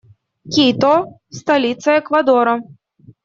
Кито - столица Эквадора.